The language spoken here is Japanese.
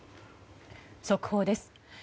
速報です。